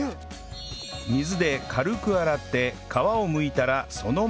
水で軽く洗って皮をむいたらそのまま頂きます